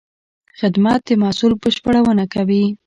خدمت د محصول بشپړونه کوي.